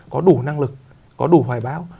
có đủ năng lực có đủ hoài báo